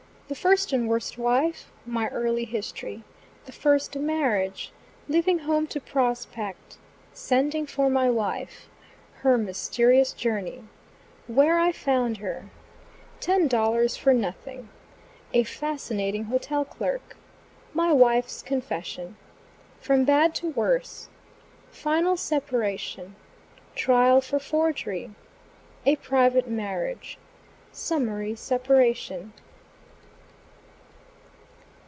THE FIRST AND WORST WIFE My Early History THE FIRST MARRIAGE LEAVING HOME TO PROSPECT SENDING FOR MY WIFE HER MYSTERIOUS JOURNEY WHERE I FOUND HER TEN DOLLARS FOR NOTHING A FASCINATING HOTEL CLERK MY WIFE'S CONFESSION FROM BAD TO WORSE FINAL SEPARATION TRIAL FOR FORGERY A PRIVATE MARRIAGE SUMMARY SEPARATION.